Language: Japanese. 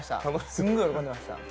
すんごい喜んでました。